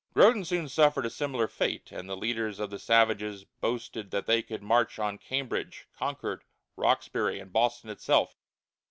Groton soon suffered a similar fate, and the leaders of the savages boasted that they would march on Cambridge, Concord, Roxbury, and Boston itself.